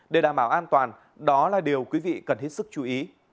để đảm bảo an toàn đó là điều quý vị cần hết sức chú ý